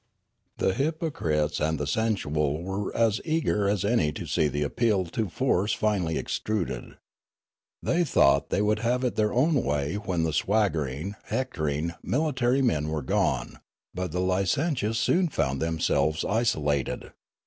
" The hypocrites and the sensual were as eager as any to see the appeal to force finally extruded. They thought they would have it their own way when the swaggering, hectoring, military men were gone ; but the licentious soon found themselves isolated.